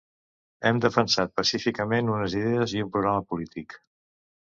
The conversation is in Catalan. Hem defensat pacíficament unes idees i un programa polític.